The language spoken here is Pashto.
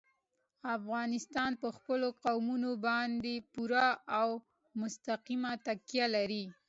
افغانستان په خپلو قومونه باندې پوره او مستقیمه تکیه لري.